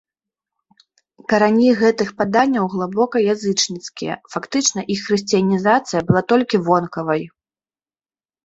Карані гэтых паданняў глыбока язычніцкія, фактычна іх хрысціянізацыя была толькі вонкавай.